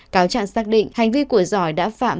cáo trạng xác định hành vi của giỏi đã phạm